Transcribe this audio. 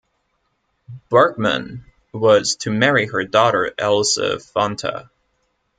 Bergmann was to marry her daughter Else Fanta.